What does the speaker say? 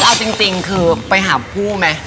เอาจริงคือไปหาภูมิ